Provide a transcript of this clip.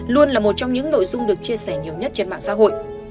luôn là một trong những nội dung được chia sẻ nhiều nhất trên mạng xã hội